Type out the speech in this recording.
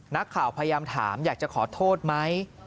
นักข่าวพยายามถามอยากจะขอโทษไหม